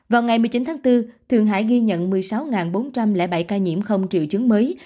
vào ngày một mươi chín tháng bốn thượng hải ghi nhận một mươi sáu bốn trăm linh bảy ca nhiễm không triệu chứng mới